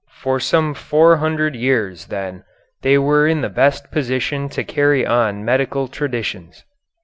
For some four hundred years then they were in the best position to carry on medical traditions.